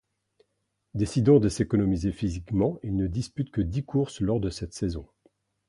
Décidant de s'économiser physiquement, il ne dispute que dix courses lors de cette saison.